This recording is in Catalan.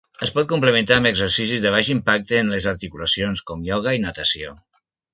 Es pot complementar amb exercicis de baix impacte en les articulacions, com ioga i natació.